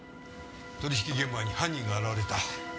取引現場に犯人が現れた。